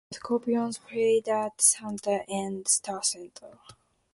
The Scorpions played at Santa Ana Star Center.